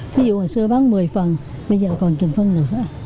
thí dụ hồi xưa bán một mươi phần bây giờ còn chìm phân lửa